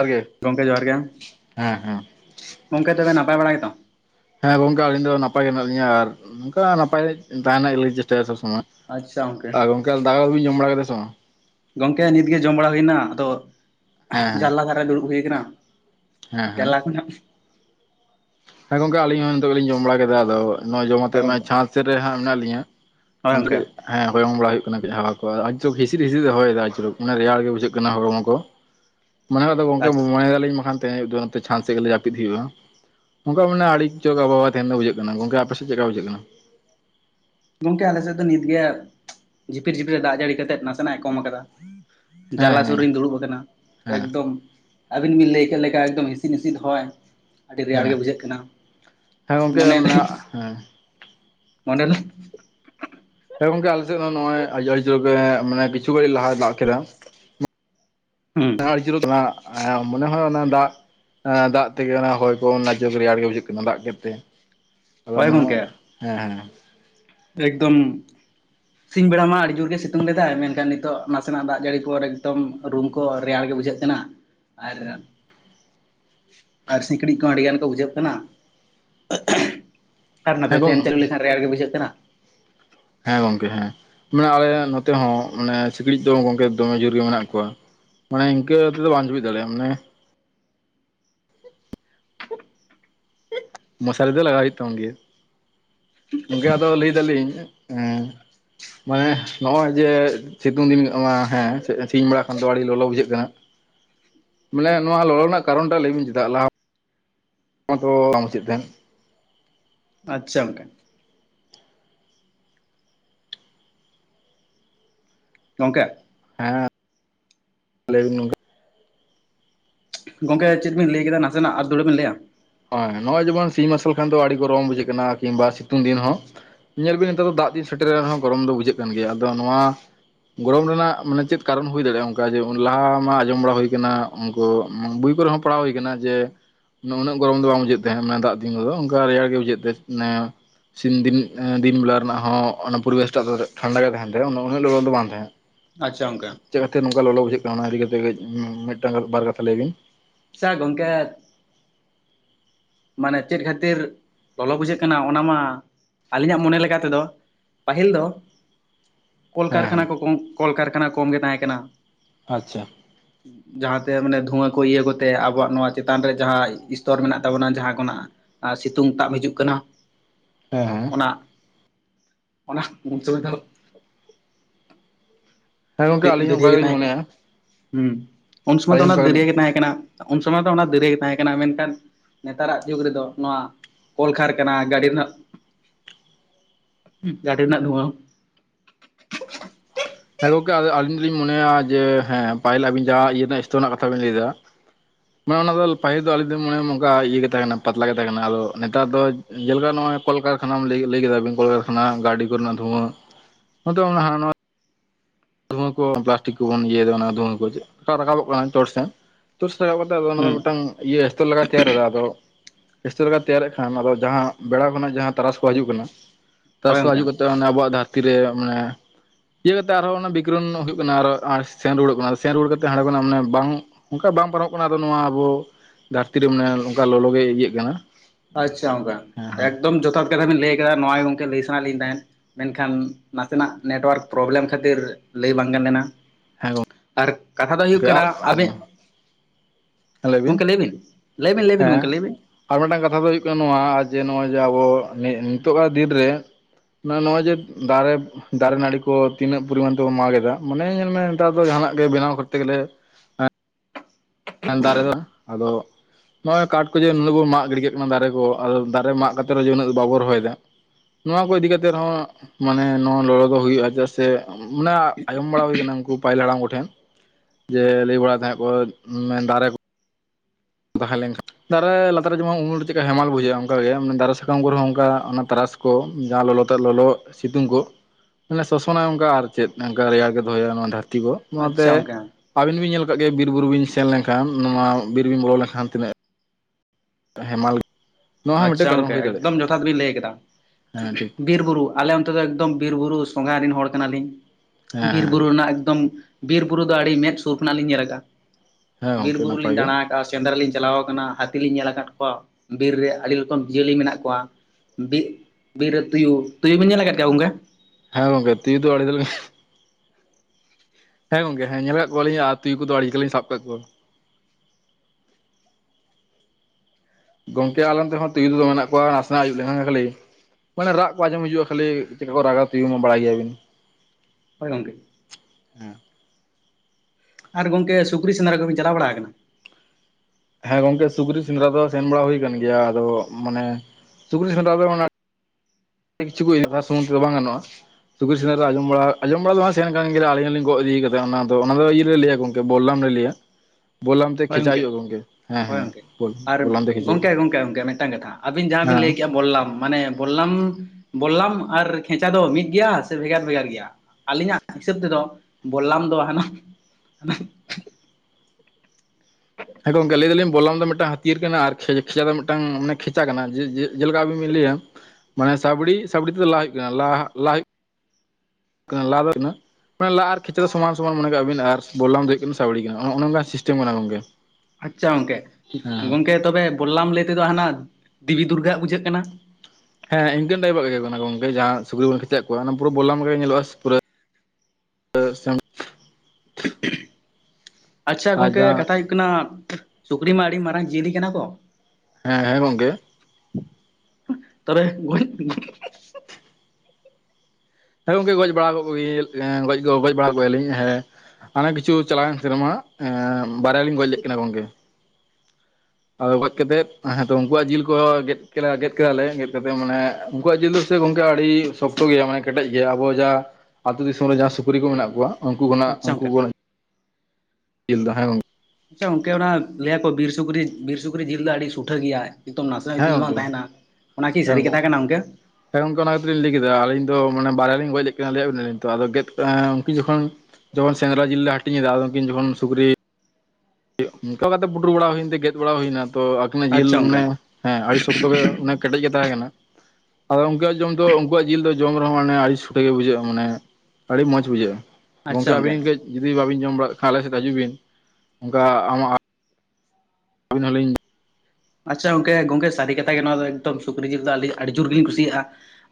ᱟᱜᱮ ᱜᱚᱝᱠᱮ ᱡᱚᱦᱟᱨ ᱜᱮ [unintelligible] ᱦᱮᱸ ᱦᱮᱸ ᱜᱚᱝᱠᱮ ᱛᱚᱵᱮ ᱱᱟᱯᱟᱭ ᱵᱟᱲᱟ ᱜᱮᱛᱚ ᱦᱮᱸ ᱜᱚᱝᱠᱮ ᱟᱹᱞᱤᱧ ᱫᱚ ᱱᱟᱯᱟᱭ ᱜᱮ ᱦᱮᱱᱟᱜ ᱞᱤᱧᱟᱹ ᱟᱨ ᱱᱚᱝᱠᱟ ᱱᱟᱯᱟᱭ ᱜᱮ ᱛᱟᱦᱮᱱᱟᱜ ᱞᱤᱧ ᱪᱮᱥᱴᱟᱭᱟ ᱥᱚᱵᱽ ᱥᱚᱢᱚᱭ ᱟᱪᱪᱷᱟᱼᱚᱝᱠᱮ ᱠᱟᱞ ᱫᱟᱠᱟ ᱠᱚᱵᱤᱱ ᱡᱚᱢ ᱵᱟᱲᱟ ᱠᱮᱫᱟ ᱥᱮ ᱵᱟᱝ ᱜᱚᱝᱠᱮ ᱱᱤᱛᱜᱮ ᱡᱚᱢ ᱵᱟᱲᱟ ᱦᱩᱭᱱᱟ ᱟᱫᱚ ᱦᱮᱸ ᱦᱮᱸ ᱡᱟᱱᱞᱟ ᱫᱷᱟᱨ ᱨᱮ ᱫᱩᱲᱩᱵ ᱦᱩᱭ ᱟᱠᱟᱱᱟ ᱦᱮᱸ ᱦᱮᱸ ᱜᱮᱞᱟ ᱠᱚ ᱦᱮᱸ ᱜᱚᱝᱠᱮ ᱟᱹᱞᱤᱧ ᱦᱚᱸ ᱱᱤᱛᱚᱜ ᱞᱤᱧ ᱡᱚᱢ ᱵᱟᱲᱟ ᱠᱮᱫᱟ ᱟᱫᱚ ᱱᱚᱣᱟ ᱡᱚᱢ ᱦᱳᱭ ᱟᱛᱮᱜ ᱜᱚᱝᱠᱮ ᱪᱷᱟᱸᱛ ᱥᱮᱫ ᱨᱮ ᱦᱟᱸᱜ ᱢᱮᱱᱟᱜ ᱞᱤᱧᱟᱹ ᱦᱳᱭ [unintelligible] ᱜᱚᱝᱠᱮ ᱦᱮᱸ ᱦᱚᱭᱚᱝ ᱵᱟᱲᱟ ᱦᱩᱭᱩᱜ ᱠᱟᱱᱟ ᱦᱟᱣᱟ ᱠᱚ ᱟᱨ ᱡᱚᱠ ᱦᱤᱸᱥᱤᱫ ᱦᱤᱸᱥᱤᱫ ᱦᱚᱭᱮᱫ ᱟᱡᱚᱠ ᱢᱟᱱᱮ ᱨᱮᱮᱟᱲ ᱜᱮ ᱵᱩᱡᱷᱟᱹᱜ ᱠᱟᱱᱟ ᱦᱚᱲᱢᱚ ᱠᱚ ᱢᱚᱱᱮ ᱜᱚᱝᱠᱮ ᱟᱪᱪᱷᱟ ᱢᱚᱱᱮ ᱫᱟᱞᱤᱧ ᱢᱟᱠᱷᱟᱱ ᱛᱮᱦᱮᱧ ᱟᱹᱭᱩᱵ ᱫᱚ ᱪᱷᱟᱛ ᱥᱮᱫ ᱜᱮ ᱡᱟᱹᱯᱤᱫ ᱦᱩᱭᱩᱜᱼᱟ ᱚᱱᱠᱟ ᱢᱟᱱᱮ ᱟᱹᱰᱤ ᱪᱚ ᱟᱵᱚᱦᱚᱣᱟ ᱛᱮᱦᱮᱧ ᱫᱚ ᱵᱩᱡᱷᱟᱹᱜ ᱠᱟᱱᱟ ᱜᱚᱝᱠᱮ ᱟᱯᱮ ᱥᱮᱫ ᱪᱮᱫᱞᱮᱠᱟ ᱵᱩᱡᱷᱟᱹᱜ ᱠᱟᱱᱟ ᱜᱚᱝᱠᱮ ᱟᱞᱮᱥᱮᱫ ᱫᱚ ᱱᱤᱛᱜᱮ ᱡᱷᱤᱯᱤᱨ ᱡᱷᱤᱯᱤᱨᱮ ᱫᱟᱜ ᱡᱟᱹᱲᱤ ᱠᱟᱛᱮᱜ ᱱᱟᱥᱮᱱᱟᱜ ᱮ ᱠᱚᱢ ᱠᱟᱫᱟ ᱦᱮᱸ ᱡᱟᱱᱞᱟ ᱦᱮᱸ ᱥᱩᱨᱤᱧ ᱫᱩᱲᱩᱵ ᱟᱠᱟᱱᱟ ᱦᱮᱸ ᱮᱠᱫᱚᱢ ᱟᱹᱵᱤᱱ ᱵᱤᱱ ᱞᱟᱹᱭ ᱠᱮᱫ ᱞᱮᱠᱟ ᱮᱠᱫᱚᱢ ᱦᱤᱥᱤᱱ ᱦᱤᱥᱤᱫ ᱦᱚᱭ ᱟᱹᱰᱤ ᱨᱮᱭᱟᱲ ᱦᱮᱸ ᱜᱮ ᱵᱩᱡᱷᱟᱹᱜ ᱠᱟᱱᱟ ᱦᱮᱸ ᱜᱚᱝᱠᱮ ᱢᱚᱱᱮ ᱢᱟᱱᱮ ᱫᱟᱧ ᱦᱮᱸ ᱢᱚᱱ ᱜᱚᱝᱠᱮ ᱟᱞᱮ ᱥᱮᱫ ᱫᱚ ᱱᱚᱜᱼᱚᱭ ᱟᱰᱤ ᱡᱳᱨᱜᱮ ᱢᱟᱱᱮ ᱠᱤᱪᱷᱩ ᱜᱷᱟᱹᱲᱤᱡ ᱞᱟᱦᱟ ᱫᱟᱜ ᱠᱮᱫᱟ ᱦᱩᱸ [unintelligible] [unintelligible] ᱢᱚᱱᱮ ᱦᱚᱭ ᱚᱱᱟ ᱫᱟᱜ ᱟᱹ ᱫᱟᱜ ᱛᱮᱜᱮ ᱚᱱᱟ ᱦᱚᱭ ᱠᱚ ᱚᱱᱱᱟ ᱡᱚᱜᱽ ᱨᱮᱭᱟᱲ ᱜᱮ ᱵᱩᱡᱷᱟᱹᱜ ᱠᱟᱱᱟ ᱫᱟᱜ ᱠᱮᱫ ᱛᱮ ᱟᱫᱚ ᱦᱳᱭ ᱢᱚᱱᱮ ᱜᱚᱝᱠᱮ ᱦᱮᱸ ᱦᱮᱸ ᱮᱠᱫᱚᱢ ᱥᱤᱧ ᱵᱮᱲᱟ ᱢᱟ ᱟᱹᱰᱤ ᱡᱳᱨᱜᱮ ᱥᱤᱛᱩᱝ ᱞᱮᱫᱟᱭ ᱢᱮᱱᱠᱷᱟᱱ ᱱᱤᱛᱚᱜ ᱱᱟᱥᱮᱱᱟᱜ ᱫᱟᱜ ᱡᱟᱹᱲᱤ ᱠᱚ ᱮᱠᱫᱚᱢ ᱨᱩᱢ ᱠᱚ ᱨᱮᱭᱟᱲ ᱜᱮ ᱵᱩᱡᱷᱟᱹᱜ ᱠᱟᱱᱟ ᱟᱨ ᱟᱨ ᱥᱤᱠᱬᱤᱡ ᱠᱚᱦᱚᱸ ᱟᱹᱰᱤ ᱜᱟᱱ ᱠᱚ ᱵᱩᱡᱷᱟᱹᱜ ᱠᱟᱱᱟ ᱟᱨ ᱦᱮᱸ ᱱᱚᱛᱮ ᱜᱚᱝ ᱯᱷᱮᱱ ᱪᱟᱹᱞᱩ ᱞᱮᱠᱷᱟᱱ ᱨᱮᱭᱟᱲ ᱜᱮ ᱵᱩᱡᱷᱟᱹᱜ ᱠᱟᱱᱟ ᱦᱮᱸ ᱜᱚᱝᱠᱮ ᱦᱮᱸ ᱢᱟᱱᱮ ᱟᱞᱮ ᱱᱚᱛᱮ ᱦᱚᱸ ᱢᱟᱱᱮ ᱥᱤᱠᱬᱤᱡ ᱫᱚ ᱜᱚᱝᱠᱮ ᱫᱚᱢᱮ ᱡᱳᱨ ᱜᱮ ᱢᱮᱱᱟᱜ ᱠᱚᱣᱟ ᱢᱟᱱᱮ ᱤᱱᱠᱟᱹ ᱛᱮᱫᱚ ᱵᱟᱢ ᱡᱟᱯᱤᱫ ᱫᱟᱲᱮᱭᱟᱜ ᱟ ᱢᱚᱥᱟᱨᱤ ᱫᱚ ᱞᱟᱜᱟᱣ ᱦᱩᱭᱩᱜ ᱛᱟᱢ ᱜᱮᱭᱟ ᱜᱚᱢᱠᱮ ᱟᱫᱚ ᱞᱟᱹᱭ ᱫᱟᱞᱤᱧ ᱢᱟᱱᱮ ᱱᱚᱜᱼᱚᱭ ᱡᱮ ᱥᱤᱛᱩᱝ ᱫᱤᱱ ᱦᱮᱸ ᱥᱤᱧ ᱵᱮᱲᱟ ᱠᱷᱟᱱ ᱫᱚ ᱟᱹᱰᱤ ᱞᱚᱞᱚ ᱵᱩᱡᱷᱟᱹᱜ ᱠᱟᱱᱟ ᱢᱟᱱᱮ ᱱᱚᱣᱟ ᱞᱚᱞᱚ ᱨᱮᱱᱟᱜ ᱠᱟᱨᱚᱱ ᱴᱟᱜ ᱞᱟᱹᱭᱵᱤᱱ ᱪᱮᱫᱟᱜ ᱞᱟᱦᱟ ᱛᱚ ᱵᱟᱝ ᱵᱩᱡᱷᱟᱹᱜ ᱛᱟᱦᱮᱱ ᱟᱪᱪᱷᱟ ᱜᱚᱝᱠᱮ ᱜᱚᱢᱠᱮ ᱦᱮᱸ ᱞᱟᱹᱭ ᱵᱤᱱ ᱜᱚᱢᱠᱮ ᱜᱚᱝᱠᱮ ᱪᱮᱫ ᱵᱤᱱ ᱞᱟᱹᱭ ᱠᱮᱫᱟ ᱱᱟᱥᱮᱱᱟᱜ ᱟᱨ ᱫᱚᱦᱲᱟᱹ ᱵᱮᱱ ᱞᱟᱹᱭᱟ ᱱᱚᱜᱼᱚᱭ ᱡᱮᱢᱚᱱ ᱥᱤᱧ ᱢᱟᱨᱥᱟᱞ ᱠᱷᱟᱱ ᱫᱚ ᱟᱹᱰᱤ ᱜᱚᱨᱚᱢ ᱵᱩᱡᱷᱟᱹᱜ ᱠᱟᱱᱟ ᱠᱤᱢᱵᱟ ᱥᱤᱛᱩᱝ ᱫᱤᱱ ᱦᱚᱸ ᱧᱮᱞ ᱵᱤᱱ ᱱᱮᱛᱟᱨ ᱫᱚ ᱫᱟᱜ ᱫᱤᱱ ᱥᱮᱴᱮᱨᱨᱮᱱ ᱨᱮᱦᱚᱸ ᱜᱚᱨᱚᱢ ᱫᱚ ᱵᱩᱡᱷᱟᱹᱜ ᱠᱟᱱ ᱜᱮᱭᱟ ᱟᱫᱚ ᱱᱚᱣᱟ ᱜᱚᱨᱚᱢ ᱨᱮᱱᱟᱜ ᱢᱟᱱᱮ ᱪᱮᱫ ᱠᱟᱨᱚᱱ ᱦᱩᱭ ᱫᱟᱲᱮᱭᱟᱜᱼᱟ ᱚᱱᱠᱟ ᱡᱮ ᱞᱟᱦᱟ ᱢᱟ ᱟᱸᱡᱚᱢ ᱵᱟᱲᱟ ᱦᱩᱭᱠᱟᱱᱟ ᱩᱱᱠᱩ ᱵᱳᱭ ᱠᱚᱨᱮᱦᱚ ᱯᱟᱲᱦᱟᱣ ᱦᱩᱭ ᱟᱠᱟᱱᱟ ᱡᱮ ᱩᱱᱟᱹᱜ ᱜᱚᱨᱚᱢ ᱫᱚ ᱵᱟᱝ ᱵᱩᱡᱷᱟᱹᱜ ᱛᱟᱦᱮᱸᱜ ᱢᱟᱱᱮ ᱫᱟᱜ ᱫᱤᱱ ᱠᱚᱫᱚ ᱚᱱᱠᱟ ᱨᱮᱭᱟᱲ ᱜᱮ ᱵᱩᱡᱷᱟᱹᱜ ᱛᱟᱦᱮᱸ ᱢᱟᱱᱮ ᱥᱤᱢ ᱫᱤᱱ ᱫᱤᱱ ᱵᱮᱞᱟ ᱨᱮᱱᱟᱜ ᱦᱚᱸ ᱚᱱᱟ ᱯᱚᱨᱤᱵᱮᱥᱴᱟᱜ ᱴᱷᱟᱱᱰᱟ ᱜᱮ ᱛᱟᱦᱮ ᱛᱟᱦᱮᱸᱫ ᱩᱱᱟᱹᱜ ᱞᱚᱞᱚ ᱫᱚ ᱵᱟᱝ ᱛᱟᱦᱮᱸᱫ ᱟᱪᱪᱷᱟ ᱜᱚᱝᱠᱮ ᱪᱮᱫ ᱠᱷᱟᱛᱤᱨ‌ ᱱᱚᱝᱠᱟ ᱞᱚᱞᱚ ᱵᱩᱡᱷᱟᱹᱜ ᱠᱟᱱᱟ ᱚᱱᱟ ᱤᱫᱤ ᱠᱟᱛᱮ ᱠᱟᱹᱡ ᱢᱤᱫᱴᱟᱝ ᱵᱟᱨ ᱠᱟᱛᱷᱟ ᱞᱟᱹᱭ ᱵᱤᱱ ᱥᱟᱨ ᱜᱚᱢᱠᱮ ᱢᱟᱱᱮ ᱪᱮᱫ ᱠᱷᱟᱹᱛᱤᱨ ᱞᱚᱞᱚ ᱵᱩᱡᱷᱟᱹᱜ ᱠᱟᱱᱟ ᱚᱱᱟ ᱢᱟ ᱟᱹᱞᱤᱧᱟᱜ ᱢᱚᱱᱮ ᱞᱮᱠᱟ ᱛᱮᱫᱚ ᱯᱟᱹᱦᱤᱞ ᱫᱚ ᱦᱮᱸ ᱦᱮᱸ ᱠᱚᱞᱠᱟᱨᱠᱷᱟᱱᱟ ᱠᱚ ᱠᱚᱞᱠᱟᱨᱠᱷᱟᱱᱟ ᱠᱚᱢᱜᱮ ᱛᱟᱦᱮᱸ ᱠᱟᱱᱟ ᱟᱪᱪᱷᱟ ᱡᱟᱦᱟᱸᱛᱮ ᱢᱟᱱᱮ ᱫᱷᱩᱣᱟᱹ ᱠᱚ ᱤᱭᱟᱹᱛᱮ ᱟᱵᱚᱣᱟᱜ ᱱᱚᱣᱟ ᱪᱮᱛᱟᱱ ᱨᱮ ᱡᱟᱦᱟᱸ ᱥᱛᱚᱨ ᱢᱮᱱᱟᱜ ᱛᱟᱵᱚᱱᱟ ᱡᱟᱦᱟᱸ ᱠᱷᱚᱱᱟᱜ ᱥᱤᱛᱩᱝ ᱛᱟᱵ ᱦᱤᱡᱩᱜ ᱠᱟᱱᱟ ᱦᱮᱸ ᱦᱮᱸ ᱚᱱᱟ ᱚᱱᱟ [inaudible] ᱦᱮᱸ ᱜᱚᱝᱠᱮ ᱟᱹᱞᱤᱧ ᱦᱚᱸ ᱫᱟᱹᱨᱭᱟᱹ ᱚᱱᱠᱟ ᱜᱮ ᱜᱮᱞᱤᱧ ᱛᱟᱦᱮᱸ ᱠᱟᱱᱟ ᱢᱚᱱᱮᱭᱟ ᱦᱩᱸ ᱩᱱ ᱥᱚᱢᱚᱭ ᱫᱚ ᱟᱹᱞᱤᱧ ᱚᱱᱟ ᱚᱱᱠᱟ ᱫᱟᱹᱨᱭᱟᱹ ᱜᱮᱞᱤᱧ ᱜᱮ ᱛᱟᱦᱮᱸ ᱠᱟᱱᱟ ᱩᱱ ᱥᱚᱢᱚᱭ ᱫᱚ ᱚᱱᱟ ᱫᱟᱹᱨᱭᱟᱹ ᱜᱮ ᱛᱟᱦᱮᱸ ᱠᱟᱱᱟ ᱢᱮᱱᱠᱷᱟᱱ ᱱᱮᱛᱟᱨᱟᱜ ᱡᱩᱜᱽ ᱨᱮᱫᱚ ᱱᱚᱣᱟ ᱠᱚᱞᱠᱟᱨᱠᱟᱱᱟ ᱜᱟᱹᱰᱤ ᱨᱮᱱᱟᱜ ᱜᱟᱹᱰᱤ ᱨᱮᱱᱟᱜ ᱫᱷᱩᱣᱟᱹ ᱦᱮᱸ ᱜᱚᱝᱠᱮ ᱟᱞᱤᱧ ᱫᱚᱞᱤᱧ ᱢᱚᱱᱮᱭᱟ ᱡᱮ ᱦᱮᱸ ᱯᱟᱹᱦᱤᱞ ᱟᱵᱤᱱ ᱡᱟᱦᱟᱸ ᱤᱭᱟᱹ ᱨᱮᱱᱟᱜ ᱥᱛᱚᱨ ᱨᱮᱱᱟᱜ ᱠᱟᱛᱷᱟ ᱵᱤᱱ ᱞᱟᱹᱭᱮᱫᱟ ᱢᱟᱱᱮ ᱚᱱᱟ ᱫᱚ ᱯᱟᱹᱦᱤᱞ ᱫᱚ ᱟᱞᱮ ᱫᱚ ᱢᱚᱱᱮ ᱱᱚᱝᱠᱟ ᱤᱭᱟᱹ ᱠᱟᱛᱷᱟ ᱠᱟᱱᱟ ᱯᱟᱛᱞᱟ ᱠᱟᱛᱷᱟ ᱠᱟᱱᱟ ᱟᱫᱚ ᱱᱮᱛᱟᱨ ᱫᱚ ᱡᱮᱞᱮᱠᱟ ᱱᱚᱜᱚᱭ ᱠᱚᱞᱠᱟᱨᱠᱷᱟᱱᱟᱢ ᱞᱟᱹᱭ ᱠᱮᱫᱟ ᱵᱤᱱ ᱠᱚᱞᱠᱟᱨᱠᱷᱟᱱᱟ ᱜᱟᱹᱰᱤ ᱠᱚ ᱨᱮᱱᱟᱜ ᱫᱷᱩᱣᱟᱹ ᱟᱫᱚ ᱚᱱᱟ ᱦᱚ ᱱᱚᱜᱚᱭ ᱫᱷᱩᱣᱟᱹ ᱠᱚ ᱯᱞᱟᱥᱴᱤᱠ ᱠᱚᱵᱚᱱ ᱤᱭᱟᱹᱭ ᱮᱫᱟ ᱚᱱᱟ ᱫᱷᱩᱣᱟᱹ ᱠᱚ ᱨᱟᱠᱟᱵᱚᱜ ᱠᱟᱱᱟ ᱪᱚᱴ ᱥᱮᱫ ᱛᱩᱨᱥ ᱨᱟᱠᱟᱵ ᱠᱟᱛᱮ ᱚᱱᱟ ᱦᱩᱸ ᱢᱤᱫᱴᱟᱝ ᱤᱭᱟᱹ ᱤᱥᱛᱚᱞ ᱞᱮᱠᱟ ᱛᱮᱭᱟᱨ ᱫᱟ ᱟᱫᱚ ᱮᱥᱛᱮ ᱞᱮᱠᱟ ᱛᱮᱭᱟᱨᱮᱜ ᱠᱷᱟᱱ ᱟᱫᱚ ᱡᱟᱦᱟᱸ ᱵᱮᱲᱟ ᱠᱷᱚᱱᱟᱜ ᱡᱟᱦᱟᱸ ᱛᱟᱨᱟᱥ ᱠᱚ ᱦᱟᱹᱡᱩᱜ ᱠᱟᱱᱟ ᱦᱳᱭ ᱛᱟᱨᱥ ᱚᱱᱠᱟ ᱦᱤᱡᱩᱜ ᱠᱟᱛᱮ ᱟᱵᱚᱣᱟᱜ ᱫᱷᱟᱹᱨᱛᱤ ᱨᱮ ᱢᱟᱱᱮ ᱤᱭᱟᱹ ᱠᱟᱛᱮ ᱟᱨ ᱦᱚᱸ ᱵᱤᱠᱨᱚᱱ ᱦᱩᱭᱩᱜ ᱠᱟᱱᱟ ᱟᱨ ᱟᱨ ᱥᱮᱱ ᱨᱩᱣᱟᱹᱲᱚᱜ ᱠᱟᱱᱟ ᱥᱮᱱ ᱨᱩᱣᱟᱹᱲ ᱠᱟᱛᱮ ᱦᱟᱸᱰᱮ ᱠᱷᱚᱱ ᱢᱟᱱᱮ ᱵᱟᱝ ᱚᱱᱠᱟ ᱵᱟᱝ ᱯᱟᱨᱚᱜ ᱠᱟᱱᱟ ᱟᱫᱚ ᱱᱚᱣᱟ ᱟᱵᱚ ᱫᱷᱟᱹᱨᱛᱤ ᱨᱮ ᱢᱟᱱᱮ ᱚᱱᱠᱟ ᱞᱚᱞᱚᱜᱮ ᱤᱭᱟᱹᱜ ᱠᱟᱱᱟ ᱟᱪᱪᱷᱟ ᱚᱝᱠᱟ ᱦᱮᱸ ᱦᱮᱸ ᱮᱠᱫᱚᱢ ᱡᱚᱛᱷᱟᱛ ᱠᱟᱛᱷᱟ ᱵᱮᱤ ᱞᱟᱹᱭ ᱠᱮᱫᱟ ᱱᱚᱣᱟ ᱜᱚᱝᱠᱮ ᱞᱟᱹᱭ ᱥᱟᱱᱟᱭᱮᱫ ᱞᱤᱧ ᱛᱟᱦᱮᱸᱫ ᱢᱮᱱᱠᱷᱟᱱ ᱱᱟᱥᱮᱱᱟᱜ ᱱᱮᱴᱳᱣᱟᱨᱠ ᱯᱨᱚᱵᱞᱮᱢ ᱠᱷᱟᱹᱛᱤᱨ ᱞᱟᱹᱭ ᱵᱟᱝ ᱜᱟᱱ ᱞᱮᱱᱟ ᱦᱮᱸ ᱟᱨ ᱠᱟᱛᱷᱟ ᱫᱚ ᱦᱩᱭᱩᱜ ᱜᱚᱝᱠᱮ ᱠᱟᱱᱟ ᱟᱨ ᱟᱵᱮᱱ ᱞᱟᱹᱭ ᱵᱤᱱ ᱜᱚᱢᱠᱮ ᱞᱟᱹᱭᱵᱤᱱ ᱞᱟᱹᱭᱵᱤᱱ ᱞᱟᱹᱭᱵᱤᱱ ᱦᱮᱸ ᱜᱚᱢᱠᱮ ᱞᱟᱹᱭᱵᱤᱱ ᱟᱨ ᱢᱤᱫᱴᱟᱝ ᱠᱟᱛᱷᱟ ᱫᱚ ᱦᱩᱭᱩᱜ ᱠᱟᱱᱟ ᱱᱚᱣᱟ ᱡᱮ ᱱᱚᱜᱼᱚᱭ ᱡᱮ ᱟᱵᱚ ᱱᱤᱛᱚᱜᱟᱜ ᱫᱤᱱᱨᱮ ᱱᱚᱜ ᱱᱚᱣᱟ ᱡᱮ ᱫᱟᱨᱮ ᱫᱟᱨᱮ ᱱᱟᱲᱤ ᱠᱚ ᱛᱤᱱᱟᱹ ᱯᱚᱨᱤᱢᱟᱱ ᱛᱮᱵᱚ ᱢᱟᱜ ᱮᱫᱟ ᱢᱟᱱᱮ ᱧᱮᱞ ᱢᱮ ᱱᱮᱛᱟᱨ ᱫᱚ ᱡᱟᱦᱟᱱᱟᱜ ᱜᱮ ᱵᱮᱱᱟᱣ ᱠᱚᱨ ᱛᱮ ᱜᱮᱞᱮ ᱢᱮᱱ ᱫᱟᱨᱮ ᱫᱚ ᱟᱫᱚ ᱱᱚᱜᱚᱭ ᱠᱟᱴ ᱠᱚ ᱡᱮ ᱱᱤᱱᱟᱹᱜ ᱵᱚ ᱢᱟᱜ ᱜᱤᱰᱤ ᱠᱮᱫ ᱠᱟᱱᱟ ᱫᱟᱨᱮ ᱠᱚ ᱟᱫᱚ ᱫᱟᱨᱮ ᱢᱟᱜ ᱠᱟᱛᱮ ᱨᱮᱦᱚ ᱩᱱᱟᱹᱜ ᱵᱟᱵᱚᱱ ᱨᱚᱦᱚᱭ ᱮᱫᱟ ᱱᱚᱣᱟ ᱠᱚ ᱤᱫᱤ ᱠᱟᱛᱮᱜ ᱨᱮ ᱦᱚᱸ ᱢᱟᱱᱮ ᱱᱚᱣᱟ ᱞᱚᱞᱚ ᱫᱚ ᱦᱩᱭᱩᱜ-ᱟ ᱪᱮᱫᱟᱜ ᱥᱮ ᱢᱟᱱᱮ ᱟᱸᱡᱚᱢ ᱵᱟᱲᱟ ᱦᱩᱭ ᱟᱠᱟᱱ ᱩᱱᱠᱩ ᱯᱟᱹᱦᱤᱞ ᱦᱟᱲᱟᱢ ᱠᱚ ᱴᱷᱮᱱ ᱡᱮ ᱞᱟᱹᱭ ᱵᱟᱲᱟᱭ ᱛᱟᱦᱮᱸᱫ ᱠᱚ ᱫᱟᱨᱮ ᱠᱚ ᱛᱟᱦᱮᱸ ᱞᱮᱱᱠᱷᱟᱱ ᱫᱟᱨᱮ ᱞᱟᱛᱟᱨ ᱨᱮ ᱡᱮᱢᱚᱱ ᱩᱢᱩᱞ ᱨᱮ ᱪᱤᱠᱟ ᱦᱮᱢᱟᱞ ᱵᱩᱡᱷᱟᱹᱜ-ᱟ ᱚᱱᱠᱟ ᱜᱮ ᱢᱟᱱᱮᱟ ᱨᱮ ᱥᱟᱠᱟᱢ ᱠᱚᱨᱮ ᱦᱚᱸ ᱚᱱᱠᱟ ᱚᱱᱟ ᱛᱟᱨᱟᱥ ᱠᱚ ᱡᱟ ᱞᱚᱞᱚ ᱛᱮ ᱞᱚᱞᱚ ᱥᱤᱛᱩᱝ ᱠᱚ ᱢᱟᱱᱮ ᱥᱚᱥᱚᱱᱟᱭ ᱚᱱᱠᱟ ᱟᱨ ᱪᱮᱫ ᱨᱮᱭᱟᱲ ᱜᱮ ᱫᱚᱦᱚᱭᱟᱭ ᱱᱚᱣᱟ ᱫᱷᱟᱨᱛᱤ ᱛᱤᱜᱳ ᱚᱱᱣᱟ ᱛᱮ ᱟᱪᱪᱷᱟ ᱜᱚᱝᱠᱮ ᱟᱵᱤᱱ ᱵᱤᱱ ᱧᱮᱞ ᱟᱠᱟᱫ ᱜᱮ ᱵᱤᱨ ᱵᱩᱨᱩ ᱵᱤᱱ ᱥᱮᱱ ᱞᱮᱱᱠᱷᱟᱱ ᱱᱚᱣᱟ ᱵᱤᱨ ᱵᱤᱱ ᱵᱚᱞᱚ ᱞᱮᱠᱷᱟᱱ ᱠᱷᱟᱱ ᱛᱤᱱᱟᱹᱜ ᱦᱮᱢᱟᱞ ᱱᱚᱣᱟ ᱦᱚᱸ ᱟᱪᱪᱷᱟ ᱢᱤᱫᱴᱮᱱ ᱠᱟᱨᱚᱱ ᱜᱚᱝᱠᱮ ᱦᱩᱭ ᱫᱟᱲᱮᱭᱟᱜᱼᱟ ᱮᱠᱫᱚᱢ ᱡᱚᱛᱷᱟᱛ ᱵᱤᱱ ᱞᱟᱹᱭ ᱠᱮᱫᱟ ᱦᱮᱸ ᱴᱷᱤᱠ ᱵᱤᱨ ᱵᱩᱨᱩ ᱟᱞᱮ ᱚᱱᱛᱮ ᱫᱚ ᱮᱠᱫᱚᱢ ᱵᱤᱨ ᱵᱩᱨᱩ ᱥᱚᱸᱜᱷᱟ ᱨᱮᱱ ᱦᱚᱲ ᱠᱟᱱᱟᱞᱤᱧ ᱦᱮᱸ ᱵᱤᱨ ᱦᱮᱸ ᱵᱩᱨᱩ ᱨᱮᱱᱟᱜ ᱮᱠᱫᱚᱢ ᱵᱤᱨ ᱵᱩᱨᱩ ᱫᱚ ᱟᱹᱰᱤ ᱢᱮᱸᱫ ᱥᱩᱨ ᱠᱷᱚᱱᱟᱜ ᱞᱤᱧ ᱧᱮᱞ ᱟᱠᱟᱫ ᱦᱮᱸ ᱵᱤᱨ ᱜᱚᱝᱠᱮ ᱵᱩᱨᱩ ᱱᱟᱯᱟᱭ ᱞᱤᱧ ᱜᱮ ᱫᱟᱬᱟ ᱥᱮᱸᱫᱽᱨᱟ ᱞᱤᱧ ᱪᱟᱞᱟᱣ ᱟᱠᱟᱱᱟ ᱦᱟᱹᱛᱤ ᱞᱤᱧ ᱧᱮᱞ ᱟᱠᱟᱫ ᱠᱚᱣᱟ ᱵᱤᱨ ᱨᱮᱭᱟᱜ ᱟᱹᱰᱤ ᱨᱚᱠᱚᱢ ᱡᱤᱭᱟᱹᱞᱤ ᱢᱮᱱᱟᱜ ᱠᱚᱣᱟ ᱵᱤ ᱵᱤᱨ ᱨᱮ ᱛᱩᱭᱩ ᱛᱩᱭᱩ ᱵᱤᱱ ᱧᱮᱞ ᱟᱠᱟᱫ ᱠᱚᱣᱟ ᱜᱚᱝᱠᱮ ᱦᱮᱸ ᱜᱚᱝᱠᱮ ᱛᱩᱭᱩ ᱟᱲᱮ ᱞᱤᱧ ᱦᱮᱸ ᱜᱚᱝᱠᱮ ᱦᱮᱸ ᱧᱮᱞ ᱟᱠᱟᱫ ᱠᱚᱣᱟᱞᱤᱧ ᱟᱨ ᱛᱩᱭᱩ ᱠᱚᱫᱚ ᱟᱰᱤ ᱡᱚᱠᱷᱚᱱ ᱞᱤᱧ ᱥᱟᱵ ᱟᱠᱟᱫ ᱠᱚᱣᱟ ᱜᱚᱝᱠᱮ ᱟᱞᱚᱢ ᱛᱮ ᱦᱚᱸ ᱛᱩᱭᱩ ᱫᱚ ᱫᱚᱢᱮ ᱢᱮᱱᱟᱜ ᱠᱚᱣᱟ ᱱᱟᱥᱮᱱᱟᱜ ᱟᱹᱭᱩ ᱞᱮᱠᱷᱟᱱ ᱠᱷᱟᱹᱞᱤ ᱢᱟᱱᱮ ᱨᱟᱜ ᱠᱚ ᱟᱸᱡᱚᱢ ᱦᱤᱡᱩᱜ-ᱟ ᱠᱷᱟᱹᱞᱤ ᱪᱤᱠᱟ ᱠᱚ ᱨᱟᱜᱟ ᱛᱤᱭᱳ ᱢᱟ ᱵᱟᱲᱟᱭ ᱜᱮᱭᱟ ᱵᱤᱱ ᱦᱳᱭ ᱜᱚᱝᱠᱮ ᱦᱮᱸ ᱟᱨ ᱜᱚᱢᱠᱮ ᱥᱩᱠᱨᱤ ᱥᱮᱸᱫᱽᱨᱟ ᱠᱚᱵᱤᱱ ᱪᱟᱞᱟᱣ ᱵᱟᱲᱟ ᱟᱠᱟᱱᱟ ᱦᱮᱸ ᱜᱚᱝᱠᱮ ᱥᱩᱠᱨᱤ ᱥᱮᱸᱫᱽᱨᱟ ᱫᱚ ᱥᱮᱱ ᱵᱟᱲᱟ ᱦᱩᱭ ᱟᱠᱟᱱ ᱜᱮᱭᱟ ᱟᱫᱚ ᱢᱟᱱᱮ ᱥᱩᱠᱨᱤ ᱥᱮᱸᱫᱽᱨᱟ ᱫᱚ ᱠᱤᱷᱩ [inaudible] ᱫᱚ ᱵᱟᱝ ᱜᱟᱱᱚᱜᱼᱟ ᱥᱩᱠᱨᱤ ᱥᱮᱸᱱᱫᱽᱨᱟ ᱨᱮ ᱟᱸᱡᱚᱢ ᱵᱟᱲᱟ ᱟᱸᱡᱚᱢ ᱫᱚ ᱵᱟᱝ ᱥᱮᱱ ᱟᱠᱟᱱ ᱜᱮᱭᱟ ᱟᱞᱤᱧ ᱦᱚᱸᱞᱤᱧ ᱜᱚᱜ ᱤᱫᱤ ᱠᱟᱫᱟ ᱚᱱᱟ ᱫᱚ ᱚᱱᱟ ᱫᱚ ᱤᱭᱟᱹ ᱞᱮ ᱞᱟᱹᱭ ᱟ ᱜᱚᱝᱠᱮ ᱵᱚᱞᱞᱟᱢ ᱞᱮ ᱞᱟᱹᱭ ᱟ [unintelligible] ᱵᱚᱞᱞᱟᱢ ᱛᱮ ᱠᱷᱤᱪᱟᱹᱣ ᱦᱩᱭᱩᱜ-ᱟ ᱜᱚᱝᱠᱮ ᱦᱮᱸ ᱦᱳᱭ ᱦᱮᱸ ᱜᱚᱝᱠᱮ ᱟᱨ ᱵᱚᱞᱞᱟᱢ ᱛᱮ ᱠᱷᱤᱪᱟᱹᱣ ᱦᱩᱭᱩᱜ-ᱟ ᱜᱚᱝᱠᱮ ᱜᱚᱝᱠᱮ ᱜᱚᱝᱠᱮ ᱢᱤᱫᱴᱟᱝ ᱠᱟᱛᱷᱟ ᱟᱹᱵᱤᱱ ᱡᱟᱦᱟᱸ ᱵᱤᱱ ᱞᱟᱹᱭ ᱠᱮᱫᱮᱜ-ᱟ ᱵᱚᱞᱞᱟᱢ ᱢᱟᱱᱮ ᱵᱚᱞᱞᱟᱢ ᱵᱚᱞᱞᱟᱢ ᱟᱨ ᱠᱷᱮᱸᱪᱟ ᱫᱚ ᱢᱤᱫ ᱜᱮᱭᱟ ᱥᱮ ᱵᱷᱮᱜᱟᱨ ᱵᱷᱮᱜᱟᱨ ᱜᱮᱭᱟ ᱟᱹᱞᱤᱧᱟᱜ ᱦᱤᱥᱟᱹᱵ ᱛᱮ ᱫᱚ ᱵᱚᱞᱞᱟᱢ ᱫᱚ ᱦᱟᱱᱟ [inaudible] ᱦᱮᱸ ᱜᱚᱝᱠᱮ ᱞᱟᱹᱭ ᱫᱟᱞᱤᱧ ᱵᱚᱞᱞᱟᱢ ᱫᱚ ᱢᱤᱫᱴᱟᱝ ᱦᱟᱹᱛᱭᱟᱹᱨ ᱠᱟᱱᱟ ᱟᱨ ᱠᱷᱮᱪᱟ ᱫᱚ ᱢᱤᱫᱴᱟᱝᱮ ᱠᱷᱮᱪᱟ ᱠᱟᱱᱟ ᱡᱮ ᱡᱮᱞᱮᱠᱟ ᱟᱵᱤᱱ ᱵᱤᱱ ᱞᱟᱹᱭᱟ᱾ ᱢᱟᱱᱮ ᱥᱵᱲᱤ ᱥᱵᱲᱤ ᱛᱮᱫᱚ ᱞᱟ ᱦᱩᱭᱩᱜ ᱠᱟᱱᱟ ᱞᱟᱦᱟ ᱦᱩᱭᱩᱜ ᱠᱟᱱᱟ ᱞᱟᱵᱷ ᱠᱟᱱᱟ [inaudible] ᱢᱟᱱ ᱞᱟᱜ ᱟᱨ ᱠᱷᱮᱪᱟ ᱥᱚᱢᱟᱱ ᱥᱚᱢᱟᱱ ᱢᱮ ᱠᱟᱜᱵᱤᱱ ᱟᱨ ᱵᱚᱞᱞᱟᱢ ᱫᱚ ᱦᱩᱭᱩᱜ ᱠᱟᱱᱟᱤᱱ ᱥᱟ ᱟᱹᱲᱤ ᱠᱟᱱᱟ ᱜᱼᱚᱱᱮ ᱱᱚᱝᱠᱟ ᱥᱤᱥᱴᱮᱢ ᱠᱟᱱᱟ ᱜᱚᱝᱠᱮ ᱟᱪᱪᱷᱟ ᱜᱚᱝᱠᱮ ᱦᱮᱸ ᱜᱚᱝᱠᱮ ᱛᱚᱵᱮ ᱵᱚᱞᱞᱟᱢ ᱞᱟᱹᱭ ᱛᱮᱫᱚ ᱦᱟᱱᱟ ᱫᱮᱵᱤ ᱫᱩᱨᱜᱟᱜ ᱵᱩᱡᱷᱟᱹᱜ ᱠᱟᱱᱟ᱾ ᱦᱮᱸ ᱤᱱᱠᱟᱹᱱ ᱴᱟᱭᱤᱵᱟᱜ ᱜᱮ ᱠᱟᱱᱟ ᱜᱚᱢᱠᱮ ᱡᱟᱦᱟᱸ ᱥᱩᱠᱨᱤ ᱵᱚᱱ ᱠᱷᱤᱪᱟᱭᱮᱫ ᱠᱚᱣᱟ ᱚᱱᱟ ᱯᱩᱨᱟᱹ ᱵᱚᱞᱞᱟ ᱜᱮ ᱧᱮᱞᱚᱜᱼᱟ ᱯᱩᱨᱟᱹ [unintelligible] ᱟᱪᱪᱷᱟ ᱟᱨ ᱜᱚᱝᱠᱮ ᱡᱟᱦᱟᱸ ᱠᱟᱛᱷᱟ ᱦᱩᱭᱩᱜ ᱠᱟᱱᱟ ᱥᱩᱠᱨᱤ ᱢᱟ ᱟᱹᱰᱤ ᱢᱟᱨᱟᱝ ᱡᱤᱭᱟᱹᱞᱤ ᱠᱟᱱᱟ ᱠᱚ ᱦᱮᱸ ᱦᱮᱸ ᱜᱚᱝᱠᱮ ᱛᱟᱨᱮ ᱜ [unintelligible] ᱦᱮᱸ ᱜᱚᱝᱠᱮ ᱜᱚᱡ ᱵᱟᱲᱟ ᱠᱚ ᱜᱚᱡ ᱜᱚᱡ ᱵᱟᱲᱟ ᱠᱚᱜᱮᱭᱟᱞᱤᱧ ᱦᱮᱸ ᱦᱟᱱᱮ ᱠᱤᱪᱷᱩ ᱪᱟᱞᱟᱣᱮᱱ ᱥᱮᱨᱮᱢᱟ ᱵᱟᱨᱭᱟ ᱞᱤᱧ ᱜᱚᱡ ᱞᱮᱫ ᱠᱤᱱᱟ ᱜᱚᱝᱠᱮ ᱟᱫᱚ ᱜᱚᱡ ᱠᱟᱛᱮᱜ ᱦᱮᱸᱛᱚ ᱩᱱᱠᱩᱣᱟᱜ ᱡᱤᱞ ᱠᱚ ᱜᱮᱫ ᱠᱮᱫᱟᱞᱮ ᱜᱮᱫ ᱠᱟᱛᱮᱜ ᱢᱟᱱᱮ ᱩᱱᱠᱩᱣᱟᱜ ᱡᱮᱫ ᱫᱚ ᱥᱮ ᱜᱚᱝᱠᱮ ᱟᱹᱰᱤ ᱥᱚᱠᱛᱚ ᱜᱮᱭᱟ ᱢᱟᱱᱮ ᱠᱮᱴᱮᱡ ᱜᱮᱭᱟ ᱟᱵᱚ ᱡᱟ ᱟᱛᱳ ᱫᱤᱥᱚᱢ ᱨᱮ ᱡᱟᱦᱟ ᱥᱩᱠᱨᱤ ᱠᱚ ᱢᱮᱱᱟᱜ ᱠᱚᱣᱟ ᱩᱱᱠᱩ ᱠᱷᱚᱱᱟᱜ ᱟᱪᱪᱷᱟ ᱩᱱᱠᱩ ᱜᱚᱝᱠᱮ ᱡᱤᱞ ᱫᱚ ᱦᱮ ᱜᱚᱝᱠᱮ ᱟᱪᱪᱷᱟ ᱜᱚᱝᱠᱮ ᱚᱱᱟ ᱞᱟᱹᱭ ᱟ ᱠᱚ ᱵᱤᱨ ᱥᱩᱠᱨᱤ ᱵᱤᱨ ᱥᱩᱠᱨᱤ ᱡᱤᱞ ᱫᱚ ᱟᱹᱰᱤ ᱥᱩᱴᱷᱟᱹ ᱜᱮᱭᱟ ᱮᱠᱫᱚᱢ ᱱᱟᱥᱮᱱᱟᱜ ᱦᱮᱸ ᱤᱛᱤᱞ ᱵᱟᱝ ᱜᱚᱝᱠᱮ ᱛᱟᱦᱮᱱᱟ ᱚᱱᱟ ᱠᱤ ᱥᱟᱹᱨᱤ ᱠᱟᱛᱷᱟ ᱠᱟᱱᱟ ᱜᱚᱝᱠᱮ ᱚᱱᱠᱟ ᱞᱤᱧ ᱞᱟᱹᱭ ᱠᱮᱫᱟ ᱟᱞᱤᱧ ᱫᱚ ᱢᱟᱱᱮ ᱵᱟᱨᱭᱟ ᱞᱤᱧ ᱜᱚᱡ ᱞᱮᱫ ᱠᱤᱱᱟ ᱞᱟᱹᱫᱱᱟᱞᱤᱧ ᱟᱫᱚ ᱜᱮᱫ ᱩᱱᱠᱤᱱ ᱡᱚᱠᱷᱚᱱ ᱡᱚᱠᱷᱚᱱ ᱥᱮᱸᱫᱽᱨᱟ ᱡᱤᱞ ᱞᱮ ᱦᱟᱹᱴᱤᱧ ᱮᱫᱟ ᱩᱱᱠᱤᱱ ᱡᱚᱠᱷᱚᱱ ᱥᱩᱠᱨᱤ ᱚᱱᱠᱟ ᱠᱟᱛᱮ ᱯᱩᱰᱩᱨ ᱵᱟᱲᱟ ᱦᱩᱭᱮᱱᱛᱮ ᱜᱮᱫ ᱵᱟᱲᱟ ᱦᱩᱭᱱᱟ ᱛᱚ ᱟᱹᱠᱤᱱᱟᱜ ᱡᱤᱞ ᱟᱪᱪᱷᱟ ᱢᱟᱱᱮ ᱜᱚᱝᱠᱮ ᱦᱮᱸ ᱟᱹᱰᱤ ᱥᱚᱠᱛᱚ ᱜᱮ ᱠᱮᱴᱮᱡ ᱜᱮ ᱛᱟᱦᱮᱸ ᱠᱟᱱᱟ ᱟᱫᱚ ᱩᱱᱠᱩᱣᱟᱜ ᱡᱚᱢ ᱫᱚ ᱩᱱᱠᱩᱣᱟᱜ ᱡᱤᱞ ᱫᱚ ᱡᱚᱢ ᱨᱮᱦᱚᱸ ᱢᱟᱱᱮ ᱟᱹᱰᱤ ᱥᱩᱴᱮ ᱜᱮ ᱵᱩᱡᱷᱟᱹᱜᱼᱟ ᱢᱟᱱᱮ ᱟᱹᱰᱤ ᱢᱚᱸᱡ ᱵᱩᱡᱷᱟᱹᱜᱼᱟ ᱜᱚᱝᱠᱮ ᱟᱵᱤᱱ ᱠᱟᱹᱡ ᱡᱩᱫᱤ ᱵᱟᱵᱤᱱ ᱡᱚᱢ ᱵᱟᱲᱟᱜ ᱠᱷᱟᱱ ᱟᱞᱮ ᱥᱮᱫ ᱦᱤᱡᱩᱜ ᱵᱤᱱ ᱚᱱᱠᱟ ᱟᱢᱟᱜ ᱟᱹᱵᱤᱱ ᱦᱚᱸᱞᱤᱧ ᱟᱪᱪᱷᱟ ᱜᱚᱝᱠᱮ ᱜᱚᱝᱠᱮ ᱥᱟᱹᱨᱤᱠᱟᱛᱷᱟ ᱜᱮ ᱱᱚᱣᱟ ᱫᱚ ᱮᱠᱫᱚᱢ ᱥᱩᱠᱨᱤ ᱡᱤᱞ ᱫᱚ ᱟᱹᱰᱤ ᱟᱹᱰᱤ ᱡᱳᱨ ᱜᱮᱞᱤᱧ ᱠᱩᱥᱤᱭᱟᱜᱼᱟ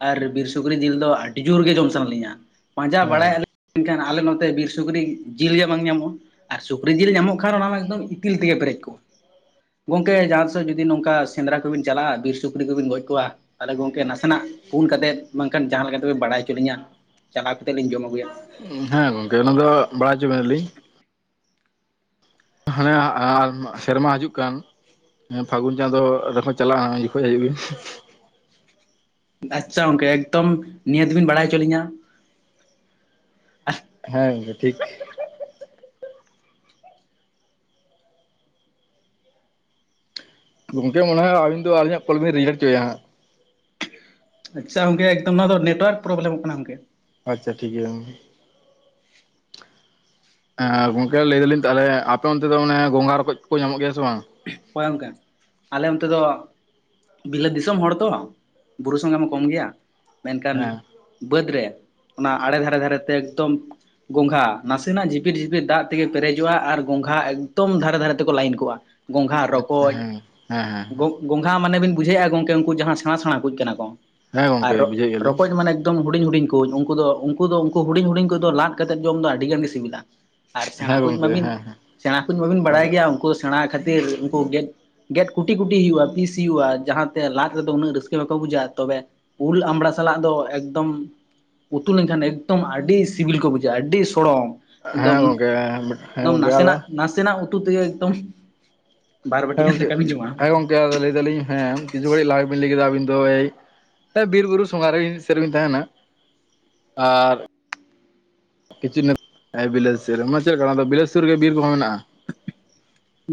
ᱟᱨ ᱵᱤᱨ ᱥᱩᱠᱨᱤ ᱡᱤᱞ ᱫᱚ ᱟᱹᱰᱤ ᱡᱳᱨ ᱜᱮ ᱡᱚᱢ ᱥᱟᱱᱟ ᱞᱤᱧᱟ ᱯᱟᱸᱡᱟ ᱵᱟᱲᱟᱭᱮᱫ ᱦᱮᱸ ᱟᱹᱞᱤᱧ ᱢᱮᱱᱠᱷᱟᱱ ᱟᱞᱮ ᱱᱚᱛᱮ ᱵᱤᱨ ᱥᱩᱠᱨᱤ ᱡᱤᱞ ᱜᱮ ᱵᱟᱝ ᱧᱟᱢᱚᱜᱼᱟ᱾ ᱟᱨ ᱥᱩᱠᱨᱤ ᱡᱤᱞ ᱧᱟᱢᱚᱜ ᱠᱷᱟᱱ ᱚᱱᱟ ᱢᱟ ᱮᱠᱫᱚᱢ ᱤᱛᱤᱞ ᱛᱮᱜᱮ ᱯᱮᱨᱮᱡ ᱠᱚᱜᱼᱟ ᱜᱚᱢᱠᱮ ᱡᱟᱦᱟ ᱡᱩᱫᱤ ᱱᱚᱝᱠᱟ ᱥᱮᱸᱫᱽᱨᱟ ᱠᱚᱵᱤᱱ ᱪᱟᱞᱟᱜᱼᱟ ᱵᱤᱨ ᱥᱩᱠᱨᱤ ᱠᱚᱵᱤᱱ ᱜᱚᱡ ᱠᱚᱣᱟ ᱛᱟᱦᱚᱞᱮ ᱜᱚᱢᱠᱮ ᱱᱟᱥᱮᱱᱟᱜ ᱯᱩᱱ ᱠᱟᱛᱮᱫ ᱵᱟᱝᱠᱷᱟᱱ ᱡᱟᱦᱟᱸ ᱞᱮᱠᱟ ᱞᱮᱠᱟᱛᱮᱵᱮᱱ ᱵᱟᱲᱟᱭ ᱦᱚᱪᱚ ᱞᱤᱧᱟ ᱪᱟᱞᱟᱣ ᱠᱟᱛᱮᱫ ᱞᱤᱧ ᱡᱚᱢ ᱟᱹᱜᱩᱭᱟ᱾ ᱦᱮᱸ ᱜᱚᱝᱠᱮ ᱚᱱᱟ ᱫᱚ ᱵᱟᱲᱟᱭ ᱦᱚᱪᱚ ᱵᱮᱱᱟ ᱞᱤᱧ ᱦᱟᱱᱮ ᱥᱮᱨᱢᱟ ᱦᱤᱡᱩᱜ ᱠᱟᱱ ᱦᱮᱸ ᱯᱷᱟᱹᱜᱩᱱ ᱪᱟᱸᱫᱳ ᱨᱮᱦᱚᱸ ᱪᱟᱞᱟᱜᱼᱟ ᱡᱚᱠᱷᱚᱱ ᱦᱤᱡᱩᱜ ᱵᱤᱱ ᱟᱪᱪᱷᱟ ᱜᱚᱝᱠᱮ ᱮᱠᱫᱚᱢ ᱱᱤᱭᱦᱟᱹᱛᱵᱤᱱ ᱵᱟᱲᱟᱭ ᱦᱚᱪᱚ ᱞᱤᱧᱟ ᱦᱮᱸ ᱴᱷᱤᱠ ᱜᱚᱢᱠᱮ ᱢᱚᱱᱮ ᱦᱚᱭ ᱟᱵᱮᱱ ᱫᱚ ᱟᱹᱧᱟᱜ ᱠᱚᱞᱵᱤᱱ ᱨᱮᱡᱮᱴ ᱪᱚᱭᱟ ᱦᱟᱸᱜ ᱟᱪᱪᱷᱟ ᱜᱚᱢᱠᱮ ᱮᱠᱫᱚᱢ ᱱᱚᱣᱟ ᱫᱚ ᱱᱮᱴᱳᱣᱟᱨᱠ ᱯᱨᱚᱵᱞᱮᱢ ᱠᱟᱱᱟ ᱜᱚᱢᱠᱮ ᱟᱪᱪᱷᱟ ᱴᱷᱤᱠ ᱜᱮᱭᱟ ᱜᱚᱝᱠᱮ ᱞᱟᱹᱭ ᱫᱟᱞᱤᱧ ᱛᱟᱦᱚᱞᱮ ᱟᱯᱮ ᱚᱱᱛᱮ ᱫᱚ ᱚᱱᱮ ᱜᱚᱝᱜᱟ ᱨᱚᱠᱚᱡ ᱠᱚ ᱧᱟᱢᱚᱜ ᱜᱮᱭᱟ ᱥᱮ ᱵᱟᱝ᱾ ᱚᱠᱚᱭ ᱜᱚᱢᱠᱮ ᱟᱞᱮ ᱚᱱᱛᱮ ᱫᱚ ᱵᱤᱞᱟᱹᱛ ᱫᱤᱥᱚᱢ ᱦᱚᱲ ᱛᱚ ᱵᱩᱨᱩ ᱥᱚᱸᱜᱮ ᱢᱟ ᱠᱚᱢ ᱜᱮᱭᱟ ᱢᱮᱱᱠᱷᱟᱱ ᱦᱮᱸ ᱵᱟᱹᱫᱽ ᱨᱮ ᱚᱱᱟ ᱟᱲᱮ ᱫᱷᱟᱨᱮ ᱫᱷᱟᱨᱮᱛᱮ ᱮᱠᱫᱚᱢ ᱜᱚᱝᱜᱷᱟ ᱱᱟᱥᱮᱱᱟᱜ ᱡᱷᱤᱯᱤᱨ ᱡᱷᱤᱤᱯᱤᱨ ᱫᱟᱜ ᱛᱮᱜᱮ ᱯᱮᱨᱮᱡᱚᱜᱼᱟ ᱟᱨ ᱜᱚᱝᱜᱷᱟ ᱮᱠᱫᱚᱢ ᱫᱷᱟᱨᱮ ᱫᱷᱟᱨᱮ ᱛᱮᱠᱚ ᱞᱟᱭᱤᱱ ᱠᱚᱜᱼᱟ᱾ ᱜᱚᱝᱜᱷᱟ ᱟᱪᱪᱷᱟ ᱨᱚᱠᱚᱡ ᱦᱮᱸ ᱦᱮᱸ ᱦᱮᱸ ᱜᱚᱝᱜᱷᱟ ᱢᱟᱱᱮ ᱵᱤᱱ ᱵᱩᱡᱷᱟᱹᱣᱮᱫᱼᱟ ᱜᱚᱢᱠᱮ ᱩᱱᱠᱩ ᱡᱟᱦᱟᱸ ᱥᱮᱬᱟ ᱥᱮᱬᱟ ᱠᱚ ᱠᱟᱱᱟ ᱠᱚ ᱦᱮᱸ ᱜᱚᱝᱠᱮ ᱟᱨᱚ ᱵᱩᱡᱷᱟᱹᱣᱮᱫ ᱜᱮᱭᱟᱞᱤᱧ ᱨᱚᱠᱚᱡ ᱢᱟᱱᱮ ᱮᱠᱫᱚᱢ ᱦᱩᱰᱤᱧ ᱦᱩᱰᱤᱧ ᱠᱚ ᱩᱱᱠᱩ ᱫᱚ ᱩᱱᱠᱩ ᱫᱚ ᱩᱱᱠᱩ ᱦᱩᱰᱤᱧ ᱦᱩᱰᱤᱧ ᱠᱚᱫᱚ ᱞᱟᱫ ᱠᱟᱛᱮᱫ ᱡᱚᱢ ᱫᱚ ᱟᱹᱰᱤ ᱜᱟᱱ ᱜᱮ ᱥᱤᱵᱤᱞᱟ᱾ ᱟᱨ ᱥᱮᱬᱟ ᱦᱮᱸ ᱠᱚ ᱜᱚᱝᱠᱮ ᱢᱟᱵᱤᱱ ᱦᱮᱸ ᱦᱮᱸ ᱥᱮᱬᱟ ᱠᱚ ᱢᱟᱵᱤᱱ ᱟᱫᱚ ᱵᱟᱲᱟᱭ ᱜᱮᱭᱟ ᱩᱱᱠᱩ ᱥᱮᱬᱟ ᱠᱷᱟᱹᱛᱤᱨ ᱩᱱᱠᱩ ᱜᱮᱫ ᱜᱮᱫ ᱠᱩᱴᱤ ᱠᱩᱴᱤ ᱦᱩᱭᱩᱜᱼᱟ ᱯᱤᱥ ᱦᱩᱭᱩᱜᱼᱟ, ᱡᱟᱦᱟ ᱛᱮ ᱞᱟᱫ ᱨᱮᱫᱚ ᱩᱱᱟᱹᱜ ᱨᱟᱹᱥᱠᱟᱹ ᱵᱟᱠᱚ ᱵᱩᱡᱟᱼᱟ, ᱛᱚᱵᱮ ᱩᱞ ᱟᱢᱲᱟ ᱥᱟᱞᱟᱜ ᱫᱚ ᱮᱠᱫᱚᱢ ᱩᱛᱩ ᱞᱮᱱᱠᱷᱟᱱ ᱮᱠᱫᱚᱢ ᱟᱹᱰᱤ ᱥᱤᱵᱤᱞ ᱠᱚ ᱵᱩᱡᱷᱟᱹᱜᱼᱟ ᱟᱹᱰᱤ ᱥᱚᱲᱚᱢ᱾ ᱦᱮᱸ ᱮᱠᱫᱚᱢ ᱜᱚᱝᱠᱮ ᱦᱮᱸ ᱮᱠᱫᱚᱢ ᱜᱚᱝᱠᱮ ᱟᱫᱚ ᱱᱟᱥᱮᱱᱟᱜ ᱱᱟᱥᱮᱱᱟᱜ ᱩᱛᱩ ᱛᱮᱜᱮ ᱮᱠᱫᱚᱢ ᱵᱟᱨ ᱵᱟᱴᱤ ᱦᱮᱸ ᱜᱟᱱ ᱜᱚᱢᱠᱮ ᱫᱟᱠᱟ ᱵᱤᱱ ᱡᱚᱢᱟ ᱦᱮᱸ ᱜᱚᱝᱠᱮ ᱟᱫᱚ ᱞᱟᱹᱭ ᱫᱟᱞᱤᱧ ᱦᱮᱸ ᱠᱤᱪᱷᱩ ᱜᱷᱟᱹᱲᱤᱡ ᱞᱟᱦᱟ ᱵᱤᱱ ᱞᱟᱹᱭ ᱠᱮᱫᱟ ᱟᱵᱤᱱ ᱫᱚᱭ ᱵᱤᱨᱼᱵᱩᱨᱩ ᱥᱚᱸᱜᱷᱟᱨ ᱨᱮ ᱥᱮᱨᱮ ᱵᱤᱱ ᱛᱟᱦᱮᱱᱟ ᱟᱨ ᱠᱤᱪᱷᱩᱱ ᱦᱮ ᱵᱤᱞᱟᱹᱛ ᱥᱩᱨ ᱨᱮ ᱪᱮᱫ ᱠᱟᱱᱟ ᱵᱤᱞᱟᱹᱛ ᱥᱩᱨ ᱨᱮ ᱵᱤᱨ ᱠᱚᱦᱚᱸ ᱢᱮᱱᱟᱜᱼᱟ᱾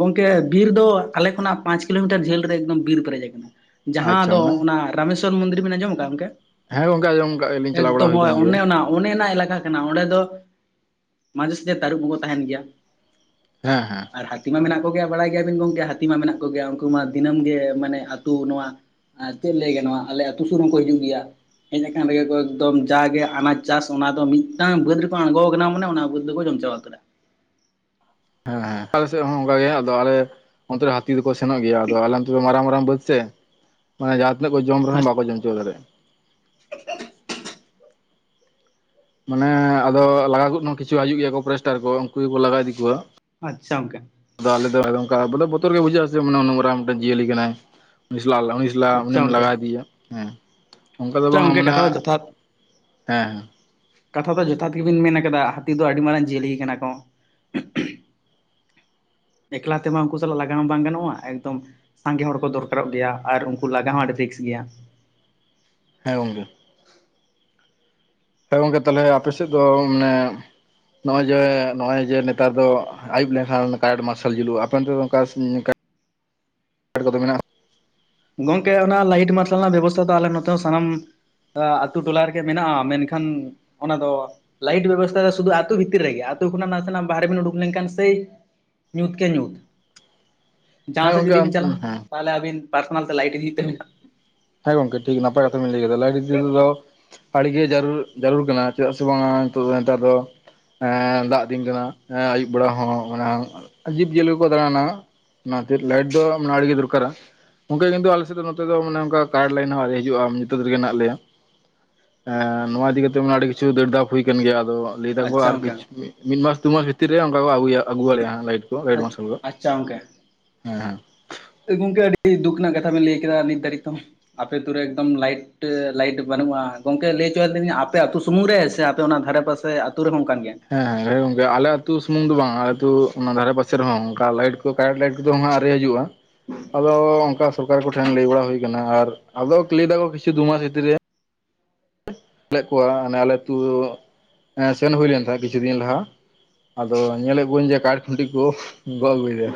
ᱜᱚᱢᱠᱮ ᱵᱤᱨ ᱫᱚ ᱟᱞᱮ ᱠᱷᱚᱱᱟᱜ ᱯᱟᱸᱪ ᱠᱤᱞᱳᱢᱤᱴᱟᱨ ᱡᱷᱟᱹᱞ ᱨᱮ ᱮᱠᱫᱚᱢ ᱵᱤᱨ ᱯᱮᱨᱮᱡ ᱟᱠᱟᱱᱟ᱾ ᱡᱟᱦᱟᱸ ᱟᱪᱪᱷᱟ ᱫᱚ ᱢᱟᱱᱮ ᱚᱱᱟ ᱨᱟᱢᱮᱥᱥᱚᱨ ᱢᱚᱱᱫᱤᱨ ᱵᱮᱱ ᱟᱸᱡᱚᱢ ᱟᱠᱟᱫ ᱜᱚᱢᱠᱮ? ᱦᱮᱸ ᱜᱚᱝᱠᱮᱸᱟᱡᱚᱢ ᱠᱟᱜ ᱜᱮᱭᱟᱞᱤᱧ ᱪᱟᱞᱟᱣ ᱵᱟᱲᱟ ᱦᱩᱭ ᱠᱟᱱ ᱜᱮᱭᱟ᱾ ᱚᱱᱮᱱᱟᱜ ᱮᱞᱟᱠᱟ ᱠᱟᱱᱟ ᱚᱸᱰᱮ ᱫᱚ ᱢᱟᱡᱷᱮ ᱥᱟᱡᱷᱮ ᱛᱟᱹᱨᱩᱵ ᱠᱚᱸᱠᱚ ᱛᱟᱦᱮᱱ ᱜᱮᱭᱟ᱾ ᱦᱮᱸ ᱦᱮᱸ ᱟᱨ ᱦᱟᱹᱛᱤ ᱢᱟ ᱢᱮᱱᱟᱜ ᱠᱚᱜᱮᱭᱟ ᱵᱟᱲᱟᱭ ᱜᱮᱭᱟᱵᱤᱱ ᱜᱚᱢᱠᱮ ᱦᱟᱹᱛᱤ ᱢᱟ ᱢᱮᱱᱟᱜ ᱠᱚᱜᱮᱭᱟ ᱩᱱᱠᱩ ᱢᱟ ᱫᱤᱱᱟᱹᱢ ᱜᱮ ᱢᱟᱱᱮ ᱟᱹᱛᱩ ᱱᱚᱣᱟ ᱟᱨ ᱪᱮᱫ ᱞᱟᱹᱭᱟ ᱜᱱᱚ-ᱟ ᱟᱞᱮ ᱟᱹᱛᱩ ᱥᱩᱨ ᱦᱚᱸᱠᱚ ᱦᱤᱡᱩᱜ ᱜᱮᱭᱟ᱾ ᱦᱮᱡ ᱟᱠᱟᱱ ᱨᱮᱜᱮ ᱠᱚ ᱮᱠᱫᱚᱢ ᱡᱟᱜᱮ ᱟᱱᱟᱡᱽ ᱪᱟᱥ ᱚᱱᱟ ᱫᱚ ᱢᱤᱫᱴᱟᱝ ᱵᱟᱹᱫᱽ ᱨᱮᱠᱚ ᱟᱬᱜᱚ ᱟᱠᱟᱱᱟ ᱢᱟᱱᱮ ᱚᱱᱟ ᱵᱟᱹᱫᱽ ᱩᱱᱫᱚᱠᱚ ᱡᱚᱢ ᱪᱟᱵᱟ ᱠᱟᱫᱟ ᱦᱮᱸ ᱟᱞᱮ ᱥᱮᱫ ᱦᱚᱸ ᱚᱱᱠᱟ ᱜᱮ ᱟᱫᱚ ᱟᱞᱮ ᱚᱱᱛᱮ ᱨᱮ ᱦᱟᱹᱛᱤ ᱫᱚᱠᱚ ᱥᱮᱱᱚᱜ ᱜᱮᱭᱟ ᱟᱫᱚ ᱟᱞᱮ ᱚᱱᱛᱮ ᱫᱚ ᱢᱟᱨᱟᱝ ᱢᱟᱨᱟᱝ ᱵᱟᱹᱫᱽ ᱥᱮ, ᱢᱟᱱᱮ ᱡᱟᱦᱟᱸ ᱛᱱᱟᱹᱜ ᱠᱚ ᱡᱚᱢ ᱨᱮᱦᱚᱸ ᱵᱟᱠᱚ ᱡᱚᱢ ᱪᱚᱵᱟ ᱫᱟᱲᱭᱟᱜᱼᱟ᱾ [inaudible] ᱢᱟᱱᱮ ᱟᱫᱚ ᱞᱟᱜᱟ ᱠᱚᱦᱚᱸ ᱠᱤᱪᱷᱩ ᱦᱤᱡᱩᱜ ᱜᱮᱭᱟ ᱯᱨᱮᱥᱴᱟᱨ ᱠᱚ ᱩᱱᱠᱩ ᱜᱮᱠᱚ ᱞᱟᱜᱟ ᱤᱫᱤ ᱠᱚᱣᱟ᱾ ᱟᱪᱪᱷᱟ ᱜᱚᱝᱠᱮ ᱟᱫᱚ ᱟᱞᱮ ᱫᱚᱠᱟ ᱵᱚᱛᱚᱨ ᱜᱮ ᱵᱩᱡᱷᱟᱹᱜ-ᱟ ᱥᱮ ᱱᱩᱱ ᱢᱟᱨᱟᱝ ᱢᱤᱫᱴᱮᱱ ᱡᱤᱭᱟᱹᱞᱤ ᱠᱟᱱᱟᱭ ᱩᱱᱤ ᱦᱤᱡᱩᱜᱼᱟ ᱟᱪᱪᱷᱟ ᱩᱱᱤᱢ ᱜᱚᱝᱠᱮ ᱞᱟᱜᱟ ᱤᱫᱤᱭᱟ ᱦᱮᱸ ᱚᱱᱠᱟ ᱫᱚ ᱟᱪᱪᱷᱟ ᱵᱟᱝ-ᱟ ᱜᱚᱝᱠᱮ ᱢᱟᱱ ᱠᱟᱛᱷᱟ ᱫᱚ ᱡᱚᱛᱷᱟᱛ ᱦᱮᱸ ᱦᱮᱸ, ᱠᱟᱛᱷᱟ ᱫᱚ ᱡᱚᱛᱷᱟᱛ ᱜᱮᱵᱤᱱ ᱢᱮᱱ ᱠᱟᱫᱟ ᱦᱟᱹᱛᱤ ᱫᱚ ᱟᱹᱰᱤ ᱢᱟᱨᱟᱝ ᱡᱤᱭᱟᱹᱞᱤ ᱠᱟᱱᱟ ᱠᱚ᱾ ᱮᱠᱞᱟ ᱛᱮᱢᱟ ᱩᱱᱠᱩ ᱥᱟᱞᱟᱜ ᱞᱟᱜᱟᱣ ᱦᱚᱸ ᱵᱟᱝ ᱜᱟᱱᱚᱜᱼᱟ ᱮᱠᱫᱚᱢ ᱥᱟᱸᱜᱮ ᱦᱚᱲ ᱠᱚ ᱫᱚᱨᱠᱟᱨᱚᱜ ᱜᱮᱭᱟ ᱟᱨ ᱩᱱᱠᱩ ᱞᱟᱜᱟ ᱦᱚᱸ ᱟᱹᱰᱤ ᱨᱤᱥᱠ ᱜᱮᱭᱟ᱾ ᱦᱮᱸ ᱜᱚᱝᱠᱮ ᱦᱮᱸ ᱜᱚᱝᱠᱮ ᱛᱟᱦᱞᱮ ᱟᱯᱮ ᱥᱮᱫ ᱫᱚ ᱢᱟᱱᱮ ᱱᱚᱜᱼᱚᱭ ᱡᱮ ᱱᱚᱜᱼᱚᱭ ᱡᱮ ᱱᱮᱛᱟᱨ ᱫᱚ ᱟᱹᱭᱩᱵ ᱞᱮᱱᱠᱷᱟᱱ ᱠᱟᱨᱮᱱᱴ ᱢᱟᱨᱥᱟᱞ ᱡᱩᱞᱩᱜᱼᱟ ᱟᱯᱮ ᱚᱱᱛᱮ ᱱᱚᱝᱠᱟ ᱠᱚᱫᱚ ᱢᱮᱱᱟᱜᱼᱟ᱾ ᱜᱚᱝᱠᱮ ᱚᱱᱟ ᱞᱟᱭᱤᱴ ᱢᱟᱨᱥᱟᱞ ᱨᱮᱱᱟᱜ ᱵᱮᱵᱚᱥᱛᱷᱟ ᱫᱚ ᱟᱞᱮ ᱱᱚᱛᱮ ᱥᱟᱱᱟᱢ ᱟᱛᱩ ᱴᱚᱞᱟ ᱨᱮᱜᱮ ᱢᱮᱱᱟᱜᱼᱟ ᱢᱮᱱᱠᱷᱟᱱ ᱚᱱᱟ ᱫᱚ ᱞᱟᱭᱤᱴ ᱵᱮᱵᱚᱥᱛᱷᱟ ᱫᱚ ᱥᱩᱫᱩ ᱟᱛᱳ ᱵᱷᱤᱛᱤᱨ ᱨᱮᱜᱮ ᱟᱛᱳ ᱠᱷᱚᱱᱟᱜ ᱱᱟᱥᱮᱱᱟᱜ ᱵᱟᱦᱨᱮ ᱵᱮᱤᱱ ᱩᱰᱩᱠ ᱞᱮᱱᱠᱷᱟᱱ ᱥᱮᱭ ᱧᱩᱛ ᱜᱮ ᱧᱩᱛ ᱡᱟᱦᱟᱸ ᱦᱮᱸ ᱥᱮᱫ ᱜᱚᱝᱠᱮ ᱡᱩᱫᱤ ᱵᱮᱱ ᱪᱟᱞᱟᱜᱼᱟ ᱦᱮᱸ ᱛᱟᱦᱚᱞᱮ ᱟᱵᱤᱱ ᱯᱟᱨᱥᱚᱱᱟᱞ ᱛᱮ ᱞᱟᱭᱤᱴ ᱤᱫᱤ ᱦᱩᱭᱩᱜ ᱛᱟᱵᱱᱟ᱾ ᱦᱮᱸ ᱜᱚᱝᱠᱮ ᱴᱷᱤᱠ ᱱᱟᱯᱟᱭ ᱠᱟᱛᱷᱟ ᱵᱮᱤᱱ ᱞᱟᱹᱭ ᱠᱮᱫᱟ ᱞᱟᱭᱤᱴ ᱡᱩᱞ ᱫᱚ ᱟᱹᱰᱤᱜᱮ ᱡᱟᱹᱨᱩᱲ ᱡᱟᱹᱨᱩᱲ ᱠᱟᱱᱟ ᱪᱮᱫᱟᱜ ᱥᱮ ᱵᱟᱝ ᱱᱤᱛᱚᱜ ᱫᱚ ᱱᱮᱛᱟᱨ ᱫᱚ ᱮ ᱫᱟᱜ ᱫᱤᱱ ᱠᱟᱱᱟ ᱟᱹᱭᱩᱵ ᱵᱮᱲᱟ ᱦᱚᱸ ᱡᱤᱵ ᱡᱤᱭᱟᱹᱞᱤ ᱠᱚᱠᱚ ᱫᱟᱬᱟᱱᱟ᱾ ᱚᱱᱟ ᱠᱷᱟᱹᱛᱤᱨ ᱞᱟᱭᱤᱴ ᱫᱚ ᱢᱟᱱᱮ ᱟᱹᱰᱤᱜᱮ ᱫᱚᱨᱠᱟᱨᱟ, ᱚᱱᱠᱟ ᱜᱮ ᱠᱤᱱᱛᱩ ᱟᱞᱮᱥᱮᱫ ᱫᱚ ᱱᱚᱛᱮ ᱫᱚ ᱢᱟᱱᱮ ᱚᱱᱠᱟ ᱠᱟᱨᱮᱴ ᱞᱟᱭᱤᱱ ᱦᱚᱸ ᱟᱶᱨᱤ ᱦᱤᱡᱩᱜᱼᱟ ᱧᱩᱤᱛᱟᱹᱛ ᱨᱮᱜᱮ ᱦᱮᱱᱟᱜ ᱞᱮᱭᱟ᱾ ᱮᱸ ᱱᱚᱣᱟ ᱤᱫᱤ ᱠᱟᱛᱮᱜ ᱟᱹᱰᱤ ᱠᱤᱪᱷᱩ ᱫᱟᱹᱲ ᱫᱟᱯ ᱦᱩᱭ ᱟᱠᱟᱱ ᱜᱮᱭᱟ ᱟᱫᱚ ᱞᱟᱹᱭ ᱫᱟᱠᱚ ᱟᱪᱪᱷᱟ ᱟᱨ ᱜᱚᱝᱠᱮ ᱠᱤᱪᱷᱩ ᱢᱤᱫ ᱢᱟᱥ ᱫᱩᱢᱟᱥ ᱵᱷᱤᱛᱤᱨ ᱨᱮ ᱚᱱᱠᱟ ᱠᱚ ᱟᱹᱜᱩᱭᱟ ᱟᱹᱜᱩ ᱟᱞᱮᱭᱟ ᱱᱟᱜ ᱞᱟᱭᱤᱴ᱾ ᱜᱟᱭᱰ [unintelligible] ᱢᱥᱚ [unintelligible] ᱦᱮᱸ ᱦᱮᱸ ᱮ ᱜᱚᱝᱠᱮ ᱟᱹᱰᱤ ᱫᱩᱠ ᱨᱮᱱᱟᱜ ᱠᱟᱛᱷᱟ ᱵᱮᱱ ᱞᱟᱹᱭ ᱠᱮᱫᱟ ᱱᱤᱛ ᱫᱷᱟᱹᱨᱤᱡ ᱛᱚ᱾ ᱟᱯᱮ ᱟᱛᱩ ᱨᱮ ᱮᱠᱫᱚᱢ ᱞᱟᱭᱤᱴ ᱞᱟᱭᱤᱴ ᱵᱟᱹᱱᱩᱜᱼᱟ ᱜᱚᱝᱠᱮ ᱞᱟᱹᱭ ᱦᱚᱪᱚᱭ ᱞᱤᱧᱟ ᱟᱯᱮ ᱟᱹᱛᱩᱳ ᱥᱩᱢᱩᱝ ᱨᱮ ᱥᱮ ᱟᱯᱮ ᱚᱱᱟ ᱫᱷᱟᱨᱮ ᱯᱟᱥᱮ ᱥᱮ ᱟᱹᱛᱩ ᱨᱮᱦᱚᱸ ᱚᱱᱠᱟᱱ ᱜᱮᱭᱟ? ᱦᱮᱸ ᱦᱮᱸ ᱜᱚᱝᱠᱮ ᱟᱞᱮ ᱟᱛᱳ ᱥᱩᱢᱩᱝ ᱫᱚ ᱵᱟᱝ ᱟᱞᱮ ᱟᱹᱛᱩ ᱚᱱᱟ ᱫᱷᱟᱨᱮ ᱯᱟᱥᱮ ᱨᱮᱦᱚᱸ ᱚᱱᱠᱟ ᱞᱟᱭᱤᱴ ᱠᱚ ᱠᱟᱨᱮᱱᱴ ᱞᱟᱭᱤᱴ ᱠᱚᱫᱚ ᱦᱟᱜ ᱟᱣᱨᱤ ᱦᱤᱡᱩᱜᱼᱟ᱾ ᱟᱫᱚ ᱚᱱᱠᱟ ᱥᱚᱨᱠᱟᱨ ᱠᱚᱴᱷᱮᱱ ᱞᱟᱹᱭ ᱵᱟᱲᱟ ᱦᱩᱭᱩᱠᱟᱱᱟ ᱟᱨ ᱟᱫᱚ ᱞᱟᱹᱭ ᱫᱟᱠᱚ ᱠᱤᱪᱷᱩ ᱫᱩᱢᱟᱥ ᱵᱷᱤᱛᱤᱨ ᱨᱮ᱾ ᱠᱚᱣᱟ ᱟᱞᱮ ᱟᱹᱛᱩ ᱥᱮᱱ ᱦᱩᱭ ᱞᱮᱱ ᱛᱟᱦᱮᱸᱱ ᱠᱤᱪᱷᱩ ᱫᱤᱱ ᱞᱟᱦᱟ ᱟᱫᱚ ᱧᱮᱞ ᱮᱫ ᱠᱩᱶᱟᱧ ᱡᱮ ᱠᱟᱨᱮᱱᱴ ᱠᱷᱩᱱᱴᱤ ᱠᱚ ᱜᱚᱜ ᱟᱜᱩᱭᱫᱟ᱾